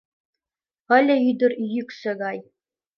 Ыле ӱдыр йӱксӧ гай.